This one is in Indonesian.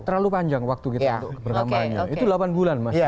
terlalu panjang waktu kita untuk berhambatnya